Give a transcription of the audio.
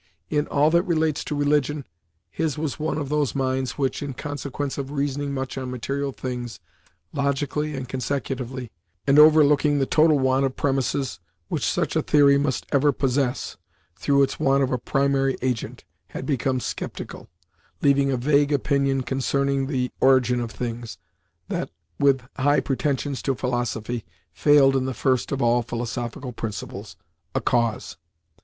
In all that relates to religion, his was one of those minds which, in consequence of reasoning much on material things, logically and consecutively, and overlooking the total want of premises which such a theory must ever possess, through its want of a primary agent, had become sceptical; leaving a vague opinion concerning the origin of things, that, with high pretentions to philosophy, failed in the first of all philosophical principles, a cause.